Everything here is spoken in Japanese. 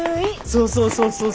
そうそうそうそうそう。